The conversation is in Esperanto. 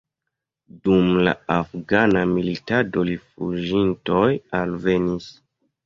Dum la afgana militado rifuĝintoj alvenis.